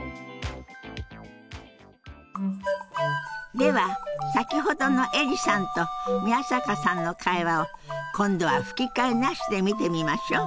では先ほどのエリさんと宮坂さんの会話を今度は吹き替えなしで見てみましょう。